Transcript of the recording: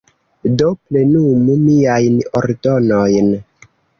Do, plenumu miajn ordonojn.